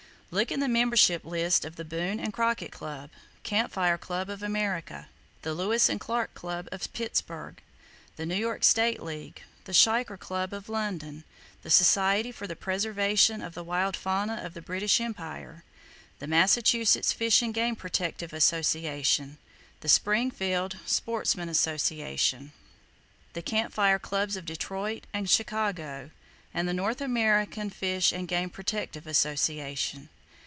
Look in the membership lists of the Boone and Crockett Club, Camp Fire Club of America, the Lewis and Clark Club of Pittsburgh, the New York State League, the Shikar Club of London, the Society for the Preservation of the Wild Fauna of the British Empire, the Massachusetts Fish and Game Protective Association, the Springfield (Mass.) Sportsmen's Association, the Camp Fire Clubs of Detroit and Chicago, and the North American Fish and Game Protective Association.